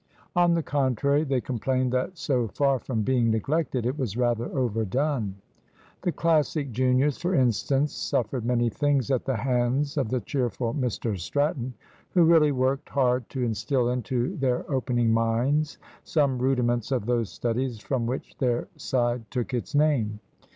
On the contrary, they complained that so far from being neglected it was rather overdone. The Classic juniors, for instance, suffered many things at the hands of the cheerful Mr Stratton, who really worked hard to instil into their opening minds some rudiments of those studies from which their side took its name.